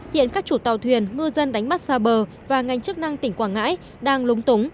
hiện các chủ tàu thuyền ngư dân đánh bắt xa bờ và ngành chức năng tỉnh quảng ngãi đang lúng túng